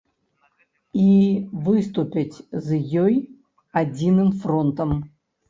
І выступяць з ёй адзіным фронтам.